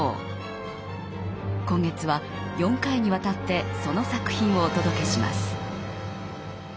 今月は４回にわたってその作品をお届けします。